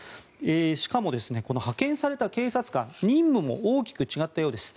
しかも、派遣された警察官任務も大きく違ったようです。